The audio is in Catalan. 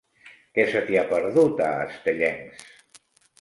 Què se t'hi ha perdut, a Estellencs?